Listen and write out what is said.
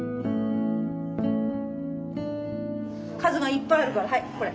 数がいっぱいあるからはいこれ。